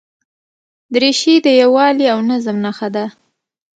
دریشي د یووالي او نظم نښه ده.